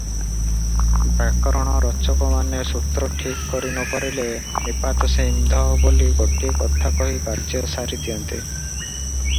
ବ୍ୟାକରଣ ରଚକମାନେ ସୂତ୍ର ଠିକ୍ କରି ନପାରିଲେ ନିପାତନସିଦ୍ଧ ବୋଲି ଗୋଟିଏ କଥା କହି କାର୍ଯ୍ୟ ସାରିଦିଅନ୍ତି ।